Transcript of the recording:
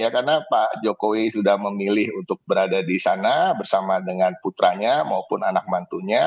karena pak jokowi sudah memilih untuk berada di sana bersama dengan putranya maupun anak mantunya